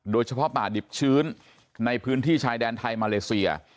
โดยเฉพาะป่าดิบชื้นในพื้นที่ชายแดนไทยมาเลเซีย